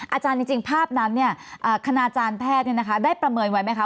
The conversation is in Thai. อาจารย์จริงภาพนั้นคณาจารย์แพทย์ได้ประเมินไว้ไหมคะ